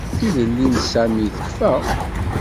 Tilelli n Sami tekfa.